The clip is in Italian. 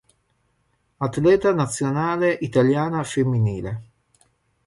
Atleta Nazionale Italiana Femminile.